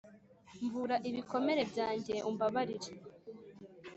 Mvura ibikomere byanjye umbabarire